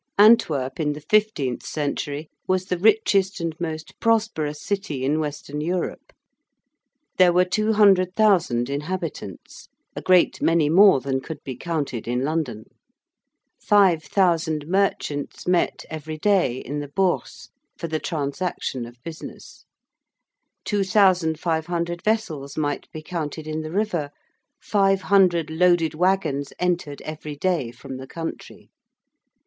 Antwerp in the fifteenth century was the richest and most prosperous city in western Europe. There were 200,000 inhabitants, a great many more than could be counted in London: 5,000 merchants met every day in the Bourse for the transaction of business: 2,500 vessels might be counted in the river: 500 loaded waggons entered every day from the country.